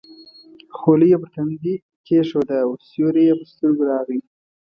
خولۍ یې پر تندي کېښوده او سیوری یې پر سترګو راغی.